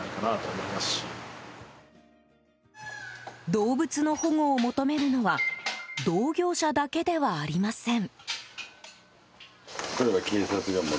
動物の保護を求めるのは同業者だけではありません。